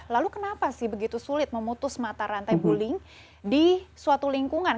lalu kenapa sih begitu sulit memutus mata rantai bullying di suatu lingkungan